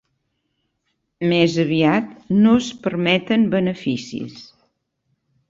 Més aviat "No es permeten beneficis".